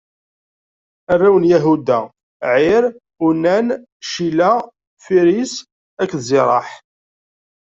Arraw n Yahuda: Ɛir, Unan, Cila, Firiṣ akked Ziraḥ.